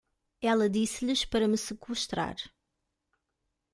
Ela disse-lhes para me seqüestrar.